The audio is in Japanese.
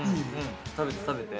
食べて食べて。